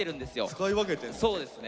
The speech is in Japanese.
使い分けてんだね。